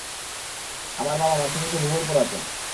আমার বাবা মাধ্যমিকে ভূগোল পড়াতেন।